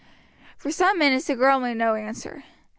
For some minutes the girl made no answer.